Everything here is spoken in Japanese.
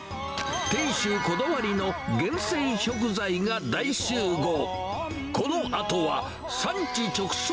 店主こだわりの厳選食材が大集合。